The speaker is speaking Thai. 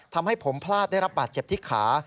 ทำให้ผมพลาดได้รับบาดเจ็บที่ขา